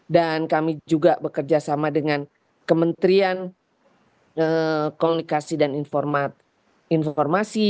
dan kami juga bekerjasama dengan kementerian komunikasi dan informasi